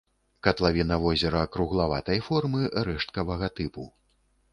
Катлавіна возера круглаватай формы, рэшткавага тыпу.